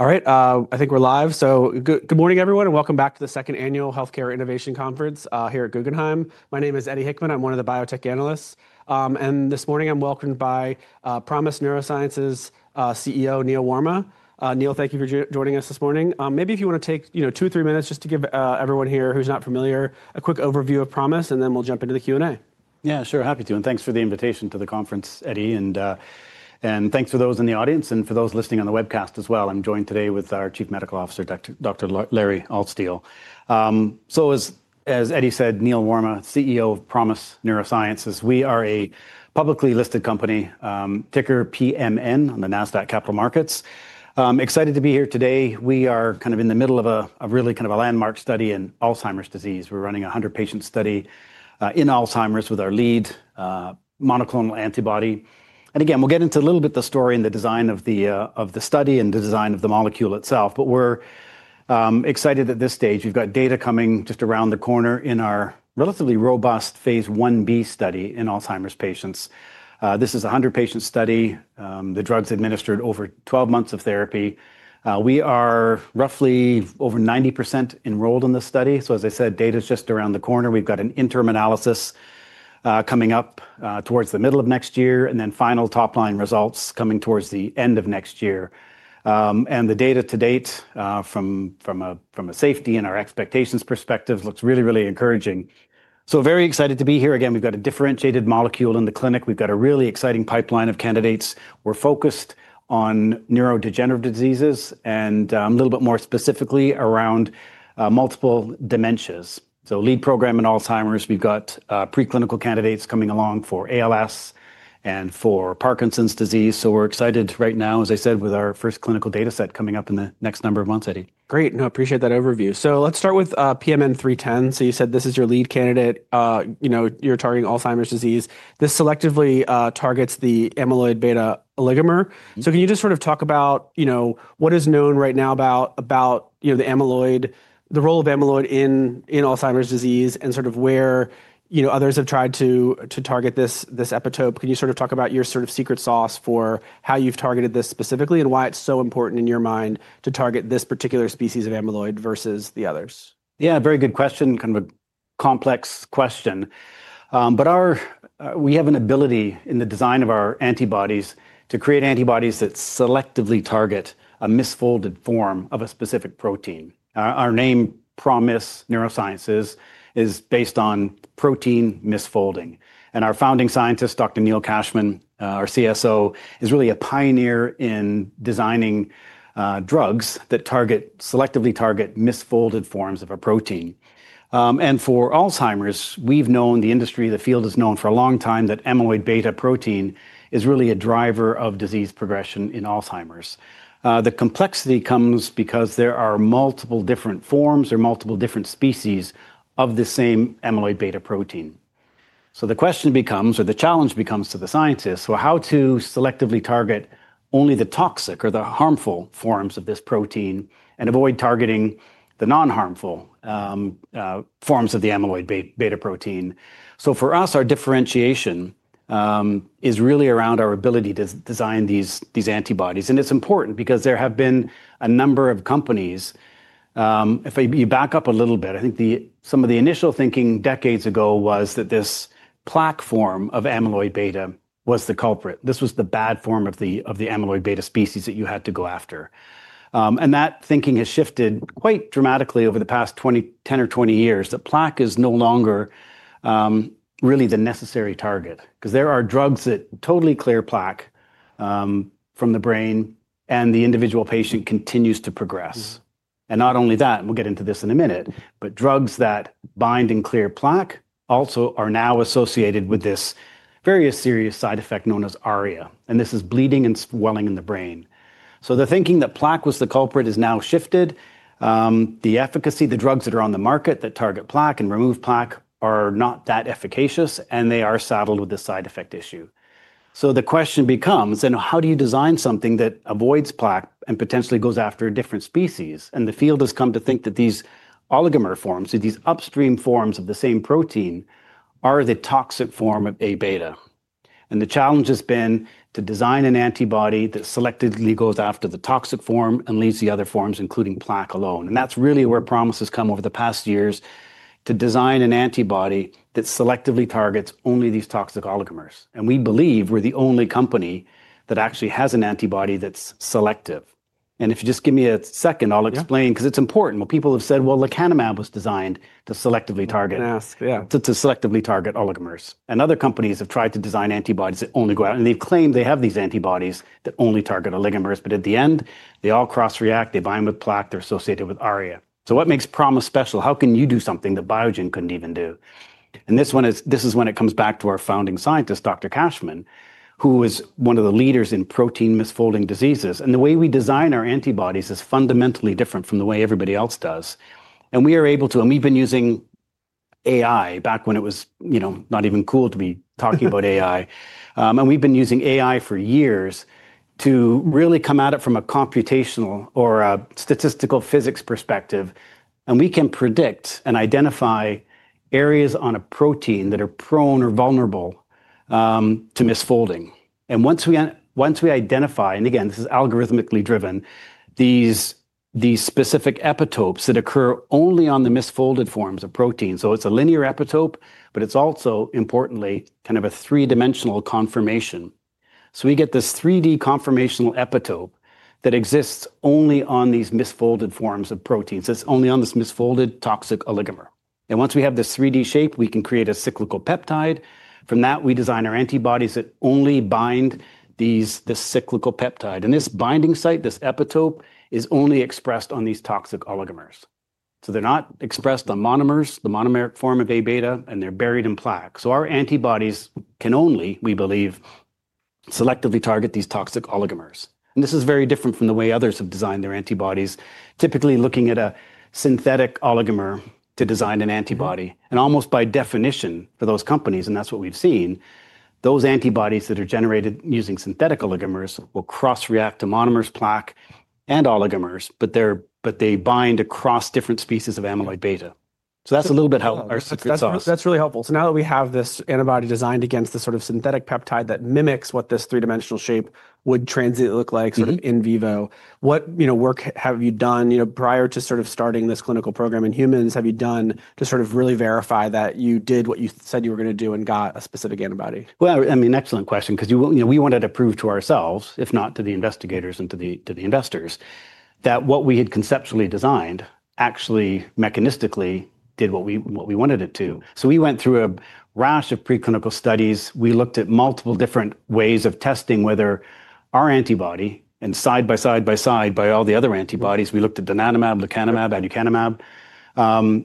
All right, I think we're live. Good morning, everyone, and welcome back to the second annual Healthcare Innovation Conference here at Guggenheim. My name is Eddie Hickman. I'm one of the biotech analysts. This morning, I'm welcomed by ProMIS Neurosciences CEO, Neil Warma. Neil, thank you for joining us this morning. Maybe if you want to take two or three minutes just to give everyone here who's not familiar a quick overview of ProMIS, and then we'll jump into the Q&A. Yeah, sure, happy to. Thanks for the invitation to the conference, Eddie. Thanks for those in the audience and for those listening on the webcast as well. I'm joined today with our Chief Medical Officer, Dr. Larry Altstein. As Eddie said, Neil Warma, CEO of ProMIS Neurosciences. We are a publicly listed company, ticker PMN, on the NASDAQ Capital Markets. Excited to be here today. We are kind of in the middle of a really kind of a landmark study in Alzheimer's disease. We're running a 100-patient study in Alzheimer's with our lead monoclonal antibody. We'll get into a little bit the story and the design of the study and the design of the molecule itself. We're excited at this stage. We've got data coming just around the corner in our relatively robust phase 1b study in Alzheimer's patients. This is a 100-patient study. The drug's administered over 12 months of therapy. We are roughly over 90% enrolled in this study. As I said, data's just around the corner. We've got an interim analysis coming up towards the middle of next year, and then final top-line results coming towards the end of next year. The data to date from a safety and our expectations perspective looks really, really encouraging. Very excited to be here. Again, we've got a differentiated molecule in the clinic. We've got a really exciting pipeline of candidates. We're focused on neurodegenerative diseases and a little bit more specifically around multiple dementias. Lead program in Alzheimer's. We've got preclinical candidates coming along for ALS and for Parkinson's disease. We're excited right now, as I said, with our first clinical data set coming up in the next number of months, Eddie. Great. No, I appreciate that overview. Let's start with PMN 310. You said this is your lead candidate. You're targeting Alzheimer's disease. This selectively targets the amyloid beta oligomer. Can you just sort of talk about what is known right now about the amyloid, the role of amyloid in Alzheimer's disease, and sort of where others have tried to target this epitope? Can you sort of talk about your sort of secret sauce for how you've targeted this specifically and why it's so important in your mind to target this particular species of amyloid versus the others? Yeah, very good question, kind of a complex question. We have an ability in the design of our antibodies to create antibodies that selectively target a misfolded form of a specific protein. Our name, ProMIS Neurosciences, is based on protein misfolding. Our founding scientist, Dr. Neil Cashman, our CSO, is really a pioneer in designing drugs that selectively target misfolded forms of a protein. For Alzheimer's, we've known, the industry, the field has known for a long time that amyloid beta protein is really a driver of disease progression in Alzheimer's. The complexity comes because there are multiple different forms or multiple different species of the same amyloid beta protein. The question becomes, or the challenge becomes to the scientists, how to selectively target only the toxic or the harmful forms of this protein and avoid targeting the non-harmful forms of the amyloid beta protein. For us, our differentiation is really around our ability to design these antibodies. It's important because there have been a number of companies, if you back up a little bit, I think some of the initial thinking decades ago was that this plaque form of amyloid beta was the culprit. This was the bad form of the amyloid beta species that you had to go after. That thinking has shifted quite dramatically over the past 10 or 20 years. Plaque is no longer really the necessary target, because there are drugs that totally clear plaque from the brain, and the individual patient continues to progress. Not only that, and we'll get into this in a minute, but drugs that bind and clear plaque also are now associated with this very serious side effect known as ARIA, and this is bleeding and swelling in the brain. The thinking that plaque was the culprit has now shifted. The efficacy, the drugs that are on the market that target plaque and remove plaque are not that efficacious, and they are saddled with this side effect issue. The question becomes, how do you design something that avoids plaque and potentially goes after a different species? The field has come to think that these oligomer forms, these upstream forms of the same protein, are the toxic form of A beta. The challenge has been to design an antibody that selectively goes after the toxic form and leaves the other forms, including plaque, alone. That's really where ProMIS has come over the past years to design an antibody that selectively targets only these toxic oligomers. We believe we're the only company that actually has an antibody that's selective. If you just give me a second, I'll explain, because it's important. People have said, well, lecanemab was designed to selectively target oligomers. Other companies have tried to design antibodies that only go out, and they've claimed they have these antibodies that only target oligomers. At the end, they all cross-react. They bind with plaque. They're associated with ARIA. What makes ProMIS special? How can you do something that Biogen couldn't even do? This is when it comes back to our founding scientist, Dr. Cashman, who is one of the leaders in protein misfolding diseases. The way we design our antibodies is fundamentally different from the way everybody else does. We are able to, and we've been using AI back when it was not even cool to be talking about AI. We've been using AI for years to really come at it from a computational or a statistical physics perspective. We can predict and identify areas on a protein that are prone or vulnerable to misfolding. Once we identify, and again, this is algorithmically driven, these specific epitopes that occur only on the misfolded forms of protein. It's a linear epitope, but it's also, importantly, kind of a three-dimensional conformation. We get this 3D conformational epitope that exists only on these misfolded forms of proteins. It's only on this misfolded toxic oligomer. Once we have this 3D shape, we can create a cyclical peptide. From that, we design our antibodies that only bind this cyclical peptide. This binding site, this epitope, is only expressed on these toxic oligomers. They're not expressed on monomers, the monomeric form of A beta, and they're buried in plaque. Our antibodies can only, we believe, selectively target these toxic oligomers. This is very different from the way others have designed their antibodies, typically looking at a synthetic oligomer to design an antibody. Almost by definition for those companies, and that's what we've seen, those antibodies that are generated using synthetic oligomers will cross-react to monomers, plaque, and oligomers, but they bind across different species of amyloid beta. That's a little bit how our secret sauce works. That's really helpful. Now that we have this antibody designed against the sort of synthetic peptide that mimics what this three-dimensional shape would translate look like, sort of in vivo, what work have you done prior to starting this clinical program in humans? Have you done to really verify that you did what you said you were going to do and got a specific antibody? I mean, excellent question, because we wanted to prove to ourselves, if not to the investigators and to the investors, that what we had conceptually designed actually mechanistically did what we wanted it to. We went through a rash of preclinical studies. We looked at multiple different ways of testing whether our antibody and side by side by side by all the other antibodies, we looked at donanemab, lecanemab, aducanumab,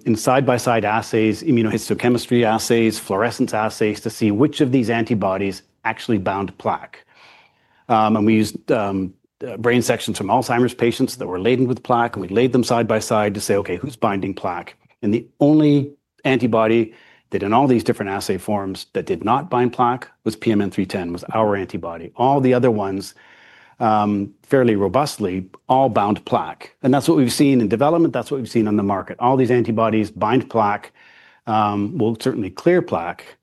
and side by side assays, immunohistochemistry assays, fluorescence assays to see which of these antibodies actually bound plaque. We used brain sections from Alzheimer's patients that were laden with plaque, and we laid them side by side to say, OK, who's binding plaque? The only antibody that, in all these different assay forms, that did not bind plaque was PMN 310, was our antibody. All the other ones, fairly robustly, all bound plaque. That is what we have seen in development. That is what we have seen on the market. All these antibodies bind plaque, will certainly clear plaque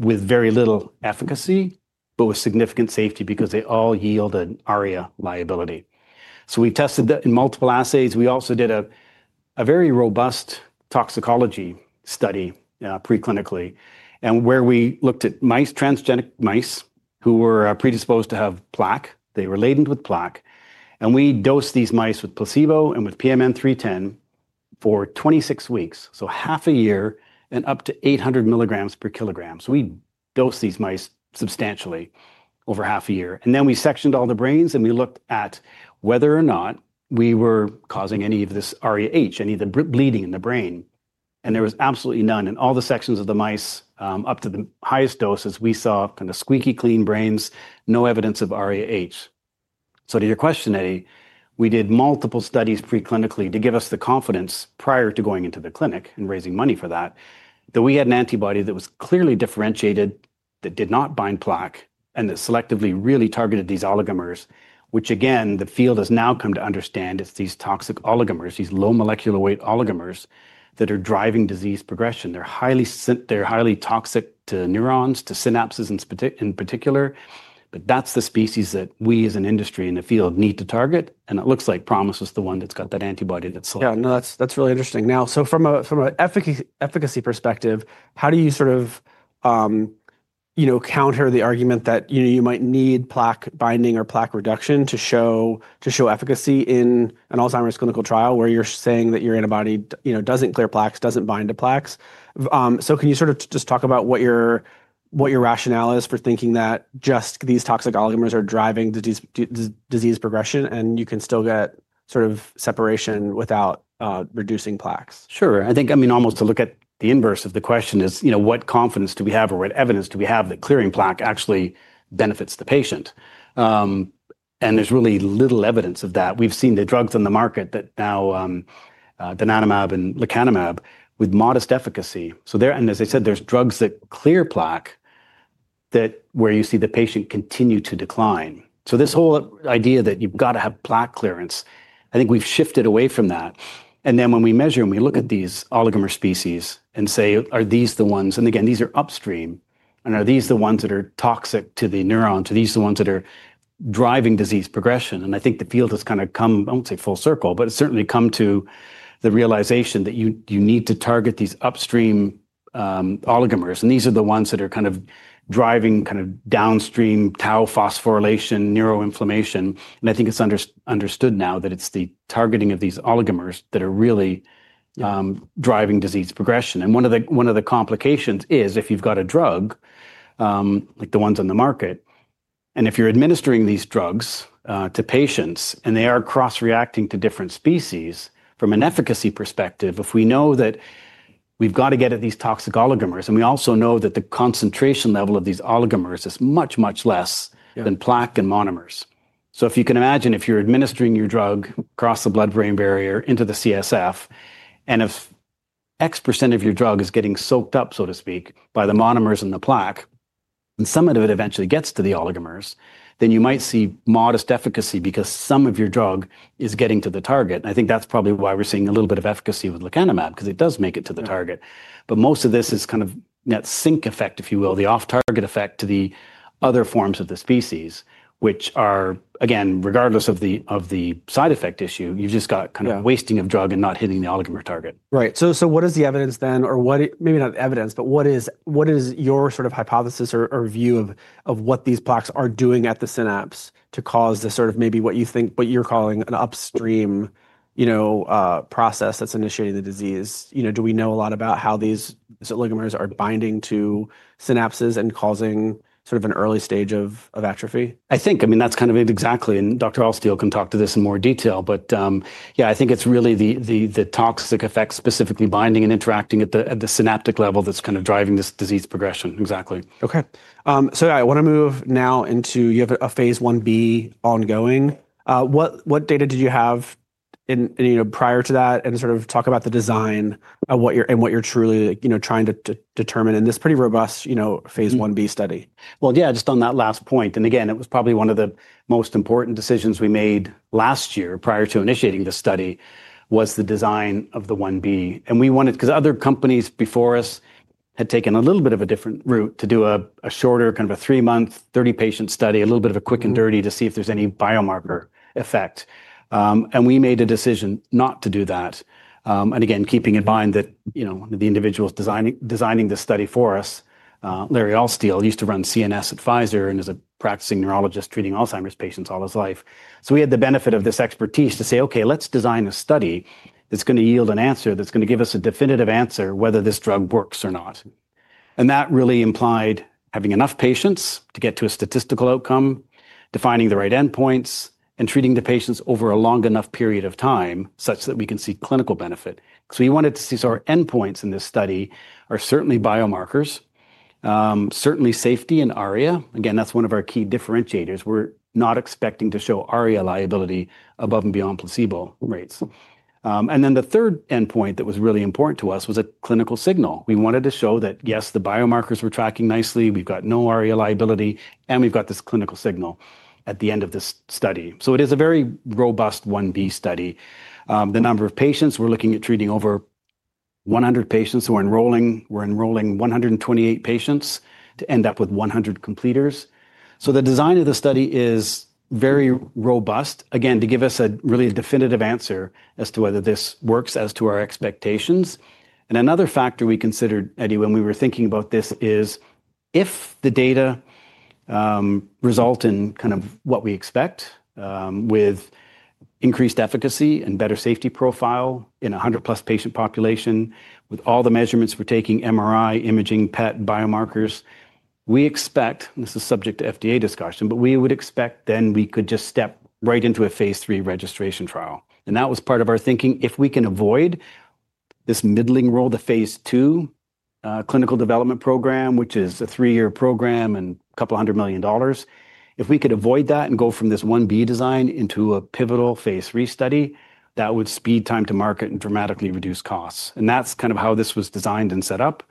with very little efficacy, but with significant safety because they all yield an ARIA liability. We tested that in multiple assays. We also did a very robust toxicology study preclinically, where we looked at transgenic mice who were predisposed to have plaque. They were laden with plaque. We dosed these mice with placebo and with PMN 310 for 26 weeks, so half a year and up to 800 mg per kg. We dosed these mice substantially over half a year. We sectioned all the brains, and we looked at whether or not we were causing any of this ARIA, any of the bleeding in the brain. There was absolutely none. All the sections of the mice up to the highest doses, we saw kind of squeaky clean brains, no evidence of REH. To your question, Eddie, we did multiple studies preclinically to give us the confidence prior to going into the clinic and raising money for that, that we had an antibody that was clearly differentiated, that did not bind plaque, and that selectively really targeted these oligomers, which, again, the field has now come to understand is these toxic oligomers, these low molecular weight oligomers that are driving disease progression. They're highly toxic to neurons, to synapses in particular. That is the species that we, as an industry in the field, need to target. It looks like ProMIS was the one that's got that antibody that's selective. Yeah, no, that's really interesting. Now, from an efficacy perspective, how do you sort of counter the argument that you might need plaque binding or plaque reduction to show efficacy in an Alzheimer's clinical trial where you're saying that your antibody doesn't clear plaques, doesn't bind to plaques? Can you sort of just talk about what your rationale is for thinking that just these toxic oligomers are driving disease progression and you can still get sort of separation without reducing plaques? Sure. I think, I mean, almost to look at the inverse of the question is, what confidence do we have or what evidence do we have that clearing plaque actually benefits the patient? There's really little evidence of that. We've seen the drugs on the market that now donanemab and lecanemab with modest efficacy. There, and as I said, there's drugs that clear plaque where you see the patient continue to decline. This whole idea that you've got to have plaque clearance, I think we've shifted away from that. When we measure and we look at these oligomer species and say, are these the ones, and again, these are upstream, and are these the ones that are toxic to the neuron, these are the ones that are driving disease progression? I think the field has kind of come, I won't say full circle, but it's certainly come to the realization that you need to target these upstream oligomers. These are the ones that are kind of driving kind of downstream tau phosphorylation, neuroinflammation. I think it's understood now that it's the targeting of these oligomers that are really driving disease progression. One of the complications is if you've got a drug like the ones on the market, and if you're administering these drugs to patients and they are cross-reacting to different species, from an efficacy perspective, if we know that we've got to get at these toxic oligomers, and we also know that the concentration level of these oligomers is much, much less than plaque and monomers. If you can imagine, if you're administering your drug across the blood-brain barrier into the CSF, and if X% of your drug is getting soaked up, so to speak, by the monomers and the plaque, and some of it eventually gets to the oligomers, then you might see modest efficacy because some of your drug is getting to the target. I think that's probably why we're seeing a little bit of efficacy with lecanemab, because it does make it to the target. Most of this is kind of net sync effect, if you will, the off-target effect to the other forms of the species, which are, again, regardless of the side effect issue, you've just got kind of wasting of drug and not hitting the oligomer target. Right. So, what is the evidence then, or maybe not evidence, but what is your sort of hypothesis or view of what these plaques are doing at the synapse to cause this sort of maybe what you think, what you're calling an upstream process that's initiating the disease? Do we know a lot about how these oligomers are binding to synapses and causing sort of an early stage of atrophy? I think, I mean, that's kind of it exactly. Dr. Altstein can talk to this in more detail. Yeah, I think it's really the toxic effects, specifically binding and interacting at the synaptic level, that's kind of driving this disease progression. Exactly. OK. I want to move now into, you have a phase 1b ongoing. What data did you have prior to that? Sort of talk about the design and what you're truly trying to determine in this pretty robust phase 1b study. Yeah, just on that last point. Again, it was probably one of the most important decisions we made last year prior to initiating this study, was the design of the 1b. We wanted, because other companies before us had taken a little bit of a different route to do a shorter kind of a three-month, 30-patient study, a little bit of a quick and dirty to see if there's any biomarker effect. We made a decision not to do that. Again, keeping in mind that the individuals designing this study for us, Larry Altstein, used to run CNS Advisor and is a practicing neurologist treating Alzheimer's patients all his life. We had the benefit of this expertise to say, OK, let's design a study that's going to yield an answer that's going to give us a definitive answer whether this drug works or not. That really implied having enough patients to get to a statistical outcome, defining the right endpoints, and treating the patients over a long enough period of time such that we can see clinical benefit. We wanted to see our endpoints in this study are certainly biomarkers, certainly safety and ARIA. Again, that's one of our key differentiators. We're not expecting to show ARIA liability above and beyond placebo rates. The third endpoint that was really important to us was a clinical signal. We wanted to show that, yes, the biomarkers were tracking nicely. We've got no ARIA liability, and we've got this clinical signal at the end of this study. It is a very robust phase 1b study. The number of patients, we're looking at treating over 100 patients. We're enrolling 128 patients to end up with 100 completers. The design of the study is very robust, again, to give us a really definitive answer as to whether this works as to our expectations. Another factor we considered, Eddie, when we were thinking about this is, if the data result in kind of what we expect with increased efficacy and better safety profile in a 100-plus patient population with all the measurements we're taking, MRI, imaging, PET, biomarkers, we expect, and this is subject to FDA discussion, but we would expect then we could just step right into a phase III registration trial. That was part of our thinking. If we can avoid this middling roll, the phase II clinical development program, which is a three-year program and a couple hundred million dollars, if we could avoid that and go from this 1b design into a pivotal phase III study, that would speed time to market and dramatically reduce costs. That is kind of how this was designed and set up.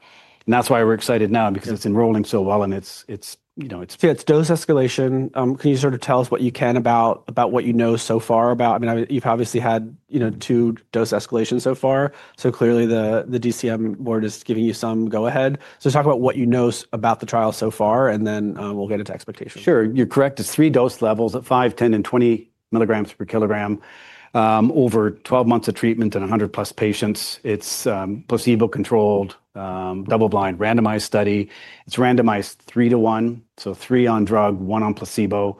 That is why we are excited now, because it is enrolling so well and it is. It's dose escalation. Can you sort of tell us what you can about what you know so far about, I mean, you've obviously had two dose escalations so far. Clearly, the DSMB is giving you some go-ahead. Talk about what you know about the trial so far, and then we'll get into expectations. Sure. You're correct. It's three dose levels at five, 10, and 20 milligrams per kilogram over 12 months of treatment in 100-plus patients. It's a placebo-controlled, double-blind, randomized study. It's randomized three to one, so three on drug, one on placebo.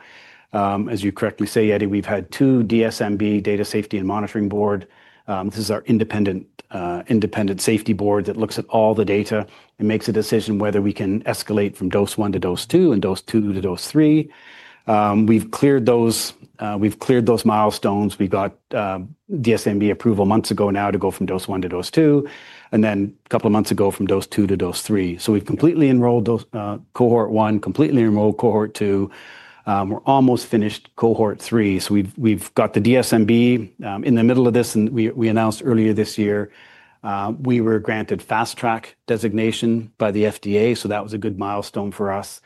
As you correctly say, Eddie, we've had two DSMB, Data Safety Monitoring Board. This is our independent safety board that looks at all the data and makes a decision whether we can escalate from dose one to dose two and dose two to dose three. We've cleared those milestones. We got DSMB approval months ago now to go from dose one to dose two, and then a couple of months ago from dose two to dose three. We've completely enrolled cohort one, completely enrolled cohort two. We're almost finished cohort three. We've got the DSMB in the middle of this. We announced earlier this year we were granted fast track designation by the FDA. That was a good milestone for us.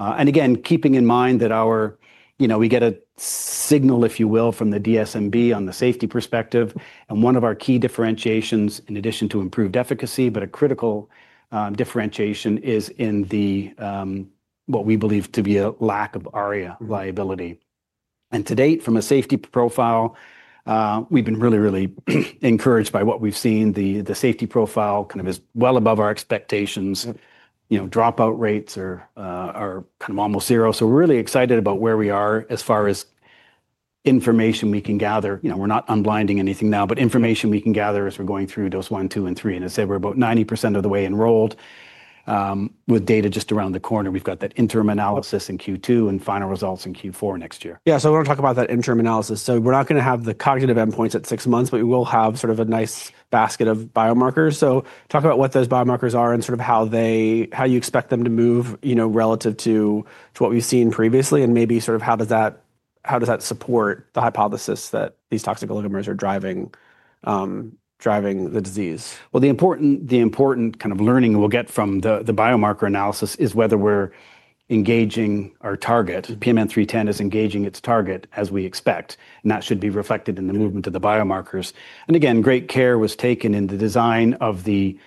Again, keeping in mind that our, you know, we get a signal, if you will, from the DSMB on the safety perspective. One of our key differentiations, in addition to improved efficacy, but a critical differentiation is in what we believe to be a lack of ARIA liability. To date, from a safety profile, we've been really, really encouraged by what we've seen. The safety profile kind of is well above our expectations. Dropout rates are kind of almost zero. We're really excited about where we are as far as information we can gather. We're not unblinding anything now, but information we can gather as we're going through dose one, two, and three. As I said, we're about 90% of the way enrolled with data just around the corner. We've got that interim analysis in Q2 and final results in Q4 next year. Yeah. I want to talk about that interim analysis. We're not going to have the cognitive endpoints at six months, but we will have sort of a nice basket of biomarkers. Talk about what those biomarkers are and sort of how you expect them to move relative to what we've seen previously. Maybe sort of how does that support the hypothesis that these toxic oligomers are driving the disease. The important kind of learning we'll get from the biomarker analysis is whether we're engaging our target. PMN310 is engaging its target as we expect. That should be reflected in the movement of the biomarkers. Again, great care was taken in the design of the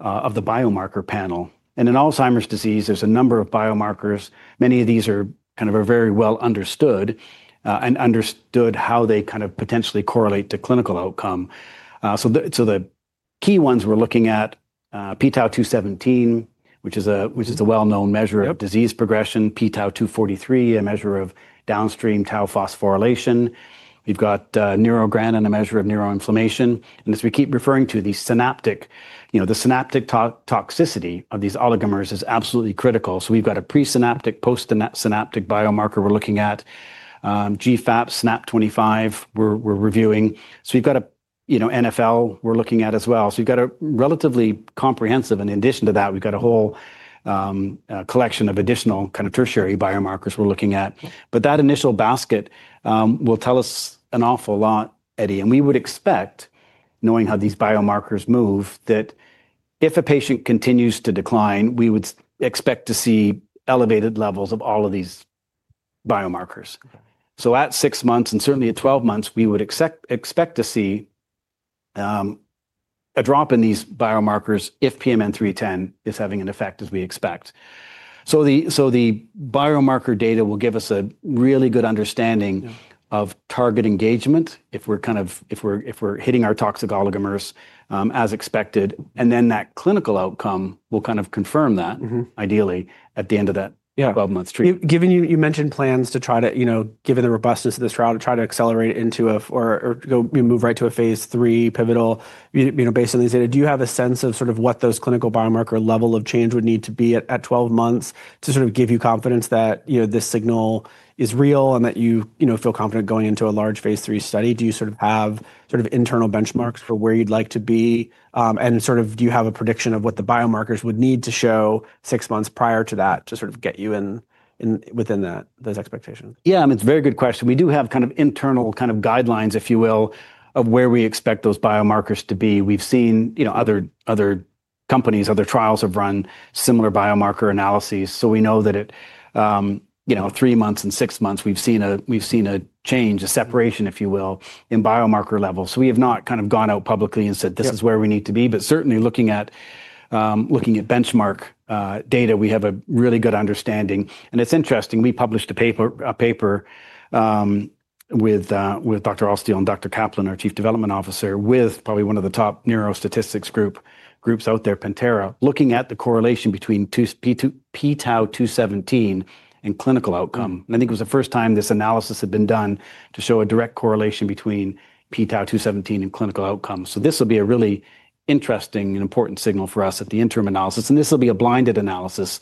biomarker panel. In Alzheimer's disease, there's a number of biomarkers. Many of these are kind of very well understood and understood how they kind of potentially correlate to clinical outcome. The key ones we're looking at, pTAU217, which is a well-known measure of disease progression. pTAU243, a measure of downstream tau phosphorylation. We've got neurogranin, a measure of neuroinflammation. As we keep referring to the synaptic, the synaptic toxicity of these oligomers is absolutely critical. We've got a presynaptic, postsynaptic biomarker we're looking at, GFAP, SNAP25, we're reviewing. We've got NFL we're looking at as well. We've got a relatively comprehensive, and in addition to that, we've got a whole collection of additional kind of tertiary biomarkers we're looking at. That initial basket will tell us an awful lot, Eddie. We would expect, knowing how these biomarkers move, that if a patient continues to decline, we would expect to see elevated levels of all of these biomarkers. At six months and certainly at 12 months, we would expect to see a drop in these biomarkers if PMN 310 is having an effect as we expect. The biomarker data will give us a really good understanding of target engagement if we're kind of, if we're hitting our toxic oligomers as expected. That clinical outcome will kind of confirm that, ideally, at the end of that 12-month treatment. Given you mentioned plans to try to, given the robustness of this trial, to try to accelerate into a, or move right to a phase III pivotal based on these data, do you have a sense of sort of what those clinical biomarker level of change would need to be at 12 months to sort of give you confidence that this signal is real and that you feel confident going into a large phase III study? Do you sort of have internal benchmarks for where you'd like to be? Do you have a prediction of what the biomarkers would need to show six months prior to that to sort of get you within those expectations? Yeah, I mean, it's a very good question. We do have kind of internal kind of guidelines, if you will, of where we expect those biomarkers to be. We've seen other companies, other trials have run similar biomarker analyses. We know that at three months and six months, we've seen a change, a separation, if you will, in biomarker levels. We have not kind of gone out publicly and said, this is where we need to be. Certainly, looking at benchmark data, we have a really good understanding. It's interesting, we published a paper with Dr. Altstein and Dr. Kaplan, our Chief Development Officer, with probably one of the top neurostatistics groups out there, Pantera, looking at the correlation between pTAU217 and clinical outcome. I think it was the first time this analysis had been done to show a direct correlation between pTAU217 and clinical outcome. This will be a really interesting and important signal for us at the interim analysis. This will be a blinded analysis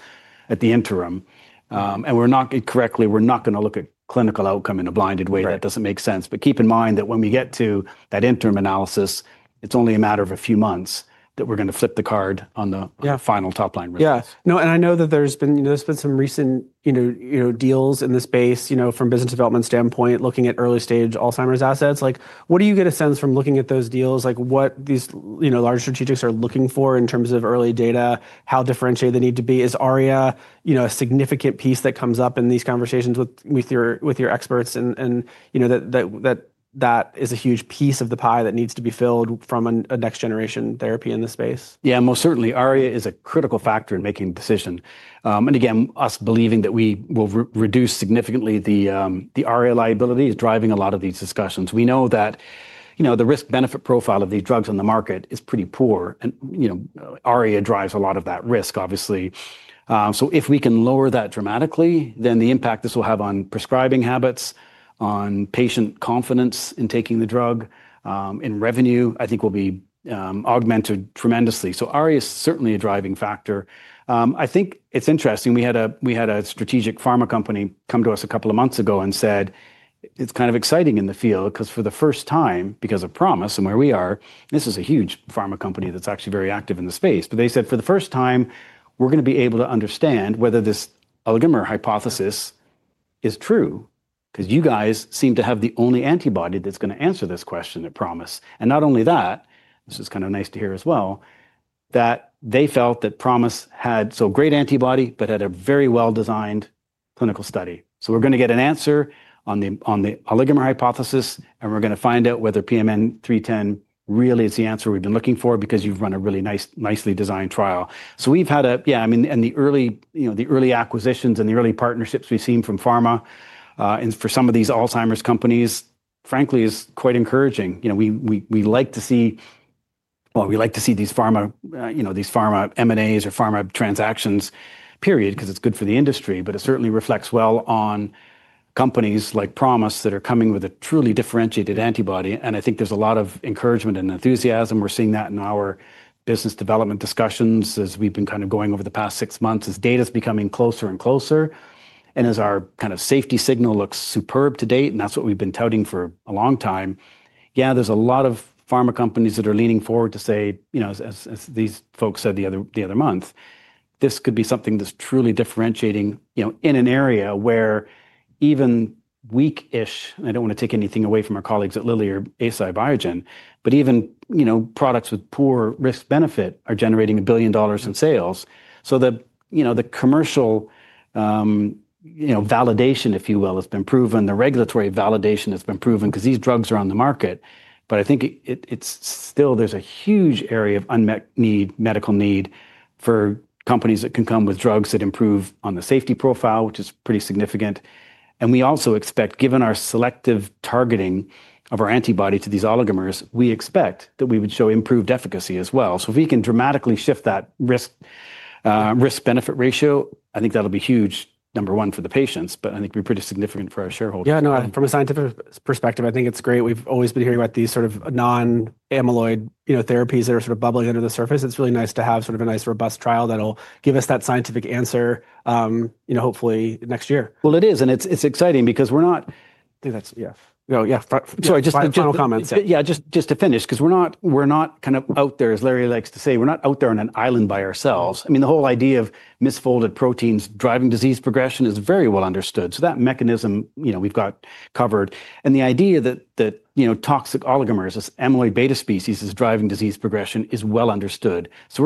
at the interim. Correctly, we're not going to look at clinical outcome in a blinded way. That does not make sense. Keep in mind that when we get to that interim analysis, it is only a matter of a few months that we're going to flip the card on the final top-line results. Yeah. No, and I know that there's been some recent deals in this space from a business development standpoint, looking at early-stage Alzheimer's assets. What do you get a sense from looking at those deals? What these large strategics are looking for in terms of early data, how differentiated they need to be? Is ARIA a significant piece that comes up in these conversations with your experts? That is a huge piece of the pie that needs to be filled from a next-generation therapy in this space. Yeah, most certainly. ARIA is a critical factor in making the decision. Again, us believing that we will reduce significantly the ARIA liability is driving a lot of these discussions. We know that the risk-benefit profile of these drugs on the market is pretty poor. ARIA drives a lot of that risk, obviously. If we can lower that dramatically, then the impact this will have on prescribing habits, on patient confidence in taking the drug, in revenue, I think will be augmented tremendously. ARIA is certainly a driving factor. I think it's interesting. We had a strategic pharma company come to us a couple of months ago and said, it's kind of exciting in the field because for the first time, because of ProMIS and where we are, this is a huge pharma company that's actually very active in the space. They said, for the first time, we're going to be able to understand whether this oligomer hypothesis is true because you guys seem to have the only antibody that's going to answer this question at ProMIS. Not only that, this is kind of nice to hear as well, that they felt that ProMIS had so great an antibody, but had a very well-designed clinical study. We're going to get an answer on the oligomer hypothesis, and we're going to find out whether PMN 310 really is the answer we've been looking for because you've run a really nicely designed trial. We've had a, yeah, I mean, and the early acquisitions and the early partnerships we've seen from pharma for some of these Alzheimer's companies, frankly, is quite encouraging. We like to see, well, we like to see these pharma M&As or pharma transactions, period, because it's good for the industry, but it certainly reflects well on companies like ProMIS that are coming with a truly differentiated antibody. I think there's a lot of encouragement and enthusiasm. We're seeing that in our business development discussions as we've been kind of going over the past six months as data is becoming closer and closer. As our kind of safety signal looks superb to date, and that's what we've been touting for a long time, yeah, there's a lot of pharma companies that are leaning forward to say, as these folks said the other month, this could be something that's truly differentiating in an area where even weak-ish, and I don't want to take anything away from our colleagues at Lilly or Biogen, but even products with poor risk-benefit are generating $1 billion in sales. The commercial validation, if you will, has been proven. The regulatory validation has been proven because these drugs are on the market. I think it's still, there's a huge area of unmet need, medical need for companies that can come with drugs that improve on the safety profile, which is pretty significant. We also expect, given our selective targeting of our antibody to these oligomers, we expect that we would show improved efficacy as well. If we can dramatically shift that risk-benefit ratio, I think that'll be huge, number one, for the patients, but I think it'd be pretty significant for our shareholders. Yeah, no, from a scientific perspective, I think it's great. We've always been hearing about these sort of non-amyloid therapies that are sort of bubbling under the surface. It's really nice to have sort of a nice robust trial that'll give us that scientific answer, hopefully, next year. It is. And it's exciting because we're not, yeah. Sorry, just general comments. Yeah, just to finish, because we're not kind of out there, as Larry likes to say, we're not out there on an island by ourselves. I mean, the whole idea of misfolded proteins driving disease progression is very well understood. That mechanism we've got covered. The idea that toxic oligomers, this amyloid beta species, is driving disease progression is well understood. We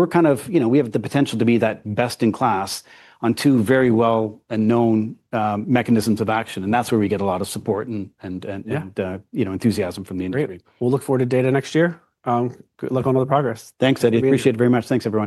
have the potential to be that best in class on two very well-known mechanisms of action. That's where we get a lot of support and enthusiasm from the industry. Great. We'll look forward to data next year. Good luck on all the progress. Thanks, Eddie. Appreciate it very much. Thanks for coming.